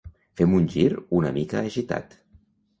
Fem un gir una mica agitat.